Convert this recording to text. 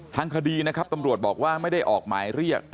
ทางคดีนะครับตำรวจบอกว่าไม่ได้ออกหมายเรียก